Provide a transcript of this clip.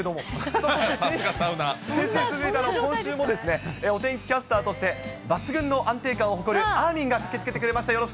そして先週に続いて今週もお天気キャスターとして、抜群の安定感を誇るあーみんが駆けつけてくれました。